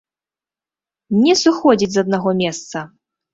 Не сыходзіць з аднаго месца!